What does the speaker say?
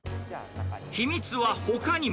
秘密はほかにも。